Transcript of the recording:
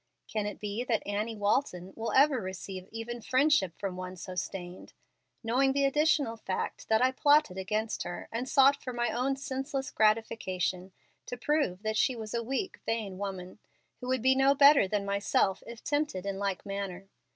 Can it be that Annie Walton will ever receive even friendship from one so stained, knowing the additional fact that I plotted against her and sought for my own senseless gratification to prove that she was a weak, vain woman, who would be no better than myself if tempted in like manner?